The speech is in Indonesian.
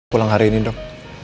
pulang hari ini dok